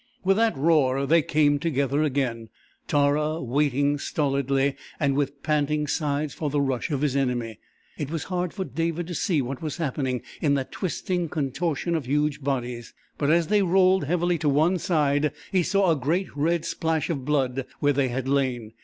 With that roar they came together again, Tara waiting stolidly and with panting sides for the rush of his enemy. It was hard for David to see what was happening in that twisting contortion of huge bodies, but as they rolled heavily to one side he saw a great red splash of blood where they had lain.